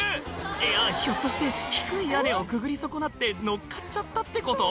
いやひょっとして低い屋根をくぐり損なってのっかっちゃったってこと？